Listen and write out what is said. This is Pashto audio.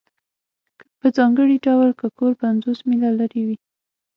په ځانګړي ډول که کور پنځوس میله لرې وي